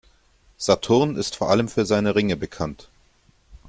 Saturn ist vor allem für seine Ringe bekannt.